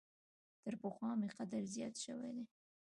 تر پخوا مي قدر زیات شوی دی .